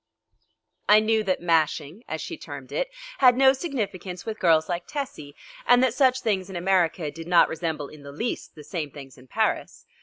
I knew that mashing, as she termed it, had no significance with girls like Tessie, and that such things in America did not resemble in the least the same things in Paris.